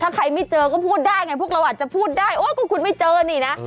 ถ้าใครไม่เจอก็พูดได้ไงพวกเราอาจจะพูดได้โอ้ก็คุณไม่เจอนี่นะ